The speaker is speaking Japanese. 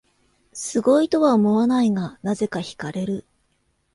すごいとは思わないが、なぜか惹かれる